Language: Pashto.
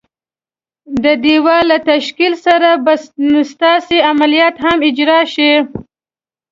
د دېوال له تشکیل سره به ستاسي عملیات هم اجرا شي.